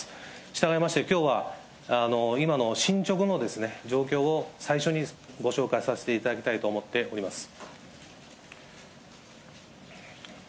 したがいましてきょうは、今の進捗の状況を最初にご紹介させていただきたいと思っております。